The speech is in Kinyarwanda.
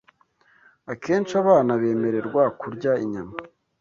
Akenshi abana bemererwa kurya inyama